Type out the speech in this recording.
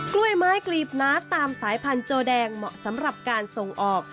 กล้วยไม้กลีบน้าตามสายพันธุโจแดงเหมาะสำหรับการส่งออก